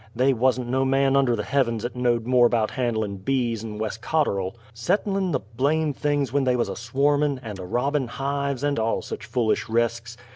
They wuzn't no man under the heavens 'at knowed more 'bout handlin' bees'n Wes Cotterl! "Settlin'" the blame' things when they wuz a swarmin'; and a robbin' hives, and all sich fool resks.